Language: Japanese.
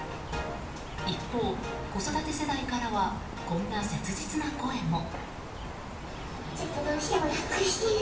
一方、子育て世代からはこんな切実な声も。